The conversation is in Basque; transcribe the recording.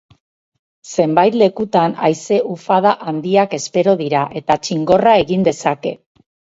Zenbait lekutan haize ufada handiak espero dira, eta txingorra egin dezake.